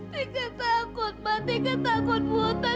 tika takut ma tika takut buta